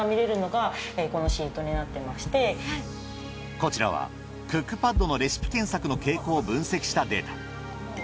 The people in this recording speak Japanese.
こちらはクックパッドのレシピ検索の傾向を分析したデータ。